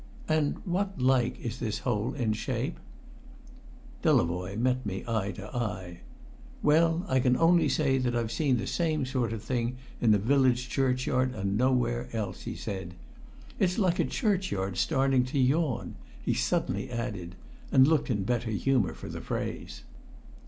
"And what like is this hole in shape?" Delavoye met me eye to eye. "Well, I can only say I've seen the same sort of thing in a village churchyard, and nowhere else," he said. "It's like a churchyard starting to yawn!" he suddenly added, and looked in better humour for the phrase.